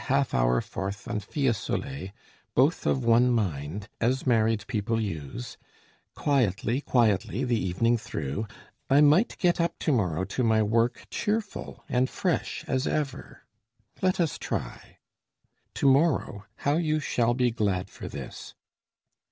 half hour forth on Fiesole, Both of one mind, as married people use, Quietly, quietly the evening through, I might get up to morrow to my work Cheerful and fresh as ever. Let us try. To morrow, how you shall be glad for this!